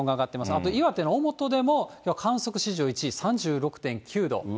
あと岩手の小本でも観測史上１位、３６．９度。